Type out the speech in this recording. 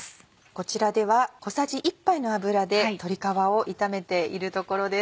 こちらでは小さじ１杯の油で鶏皮を炒めているところです。